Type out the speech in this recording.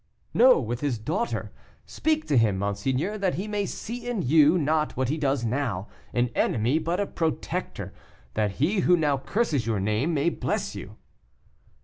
"No, with his daughter. Speak to him, monseigneur, that he may see in you, not what he does now, an enemy, but a protector that he who now curses your name may bless you."